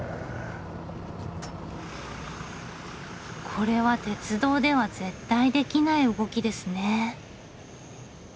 これは鉄道では絶対できない動きですね。